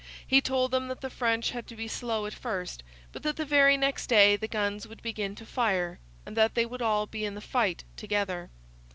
He told them that the French had to be slow at first, but that the very next day the big guns would begin to fire, and that they would all be in the fight together.